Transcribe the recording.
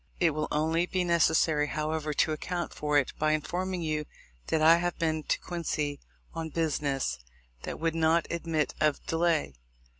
It will only be necessary, however, to account for it by informing you that I have been to Quincy on business that would not admit of delay.